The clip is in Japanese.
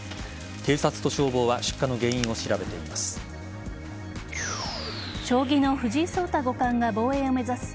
警察と消防は出火の原因を調べています。